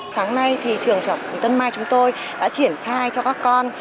sáng nay thì trường tân mai chúng tôi đã triển khai cho các con